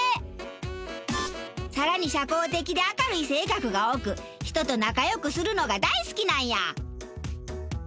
さらに社交的で明るい性格が多く人と仲良くするのが大好きなんや。